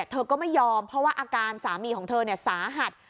เธอก็ไม่ยอมเพราะว่าอาการสามีของเธอสาหัส